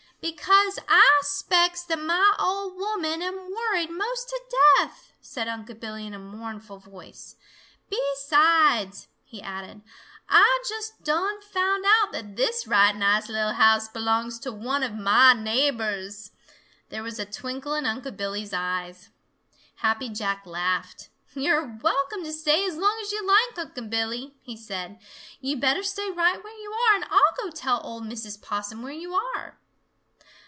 "Because Ah 'spects that mah ol' woman am worried most to death," said Unc' Billy, in a mournful voice. "Besides," he added, "Ah just done found out that this right nice lil' house belongs to one of mah neighbors." There was a twinkle in Unc' Billy's eyes. Happy Jack laughed. "You're welcome to stay as long as you like, Unc' Billy," he said. "You better stay right where you are, and I'll go tell old Mrs. Possum where you are."